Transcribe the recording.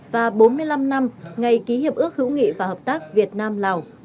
và bốn mươi năm năm ngày ký hiệp ước hữu nghị và hợp tác việt nam lào